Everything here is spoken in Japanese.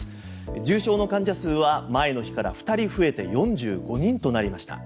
重症患者数は前の日から２人増えて４５人増えました。